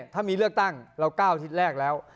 ถ้ามีเลือกตั้งเรา๙อาทิตย์แรกแล้ว